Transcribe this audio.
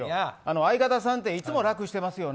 相方さんっていつも楽してますよね。